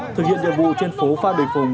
thực hiện nhiệm vụ trên phố phan bình phùng